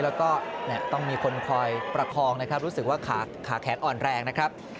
แล้วก็ต้องมีคนคอยประคองนะครับรู้สึกว่าขาแขนอ่อนแรงนะครับ